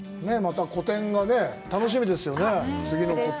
個展がまた楽しみですよね、次の個展。